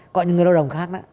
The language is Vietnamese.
còn những người lao động khác